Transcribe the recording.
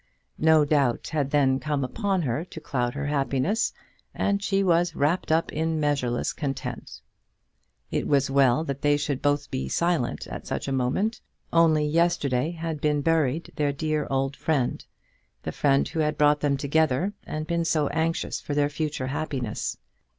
No doubt had then come upon her to cloud her happiness, and she was "wrapped up in measureless content." It was well that they should both be silent at such a moment. Only yesterday had been buried their dear old friend, the friend who had brought them together, and been so anxious for their future happiness!